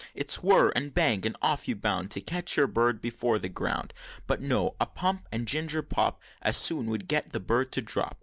It's whirr! and bang! and off you bound, To catch your bird before the ground: But no a pump and ginger pop As soon would get a bird to drop!